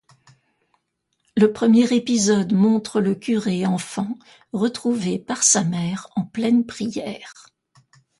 Le premier épisode montre le curé enfant, retrouvé par sa mère en pleine prière.